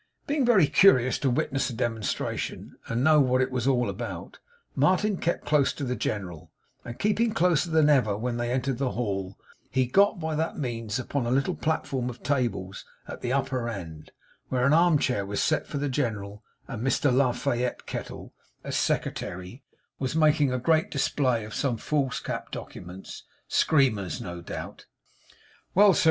Being very curious to witness the demonstration, and know what it was all about, Martin kept close to the General; and, keeping closer than ever when they entered the Hall, got by that means upon a little platform of tables at the upper end; where an armchair was set for the General, and Mr La Fayette Kettle, as secretary, was making a great display of some foolscap documents. Screamers, no doubt. 'Well, sir!